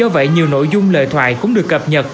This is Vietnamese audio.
vậy nhiều nội dung lời thoại cũng được cập nhật